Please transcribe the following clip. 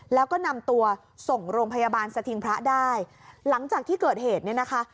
แล้วก็นำตัวส่งโรงพยาบาลสถิงพระได้หลังจากที่เกิดเหตุเนี่ยนะคะ